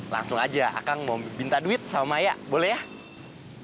langsung aja kang mau minta duit sama maya boleh ya